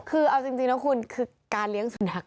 คือเอาจริงนะคุณคือการเลี้ยงสุนัข